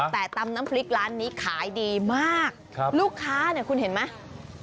แต่ตำน้ำพริกร้านนี้ขายดีมากลูกค้าเนี่ยคุณเห็นไหม